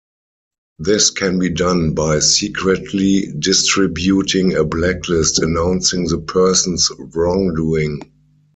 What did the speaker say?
This can be done by secretly distributing a blacklist announcing the person's wrongdoing.